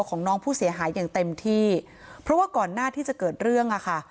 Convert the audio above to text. ของน้องผู้เสียหายอย่างเต็มที่เพราะว่าก่อนหน้าที่จะเกิดเรื่องอ่ะค่ะ